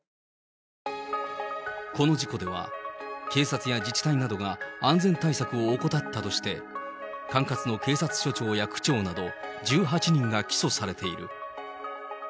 この事故では、警察や自治体などが安全対策を怠ったとして、管轄の警察署長や区長など、１８人が起訴されている。